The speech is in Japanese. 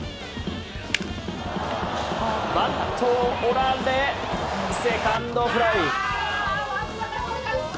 バットを折られ、セカンドフライ。